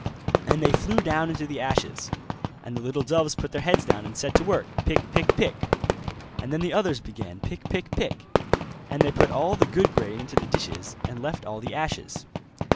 And they flew down into the ashes; and the little doves put their heads down and set to work, pick, pick, pick; and then the others began pick, pick, pick; and they put all the good grain into the dishes, and left all the ashes.